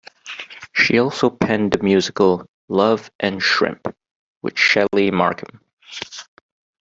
She also penned the musical "Love and Shrimp" with Shelly Markam.